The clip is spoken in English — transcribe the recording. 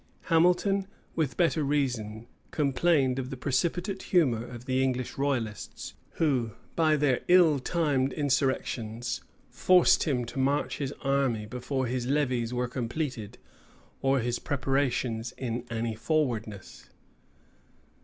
Hamilton, with better reason, complained of the precipitate humor of the English royalists, who, by their ill timed insurrections, forced him to march his army before his levies were completed, or his preparations in any forwardness.